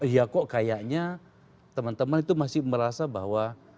ya kok kayaknya teman teman itu masih merasa bahwa